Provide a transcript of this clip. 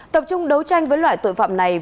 tập trung đấu tranh với loại tội phạm lừa đảo